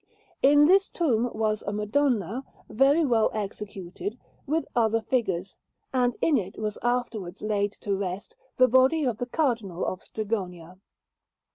In this tomb was a Madonna, very well executed, with other figures; and in it was afterwards laid to rest the body of the Cardinal of Strigonia.